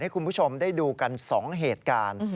คุณผู้ชมได้ดูกัน๒เหตุการณ์